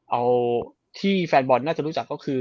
และแฟนบอทจะรู้จักคือ